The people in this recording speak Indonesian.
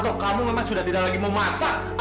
atau kamu memang sudah tidak lagi mau masak